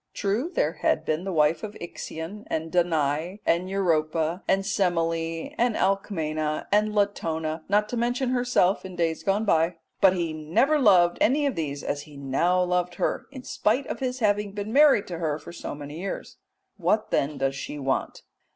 True, there had been the wife of Ixion and Danae, and Europa and Semele, and Alcmena, and Latona, not to mention herself in days gone by, but he never loved any of these as he now loved her, in spite of his having been married to her for so many years. What then does she want?